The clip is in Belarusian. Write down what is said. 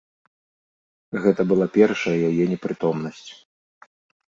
Гэта была першая яе непрытомнасць.